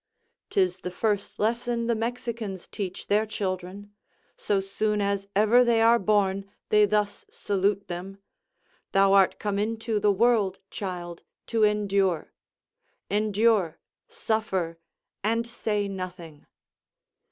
'Tis the first lesson the Mexicans teach their children; so soon as ever they are born they thus salute them: "Thou art come into the world, child, to endure: endure, suffer, and say nothing."